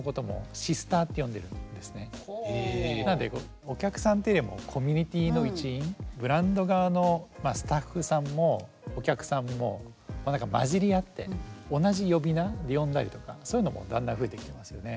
なんでお客さんっていうよりもブランド側のスタッフさんもお客さんも交じり合って同じ呼び名で呼んだりとかそういうのもだんだん増えてきてますよね。